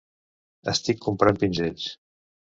Estic comprant pinzells.